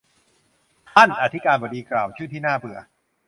ท่านอธิการบดีกล่าวชื่อที่น่าเบื่อ